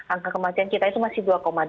angka kematian kita itu masih dua dua